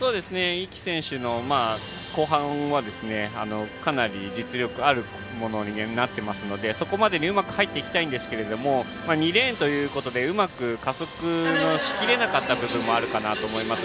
壹岐選手の後半はかなり実力あるものになっていますのでそこまででうまく入っていきたいんですけど２レーンということでうまく加速しきれなかった部分もあるかなと思います。